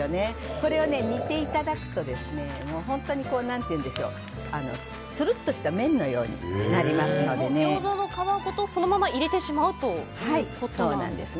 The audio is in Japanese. これ、煮ていただくと本当につるっとしたギョーザの皮ごとそのまま入れてしまうということなんですか？